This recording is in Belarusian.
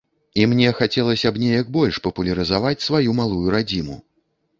І мне хацелася б неяк больш папулярызаваць сваю малую радзіму.